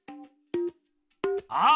あっ！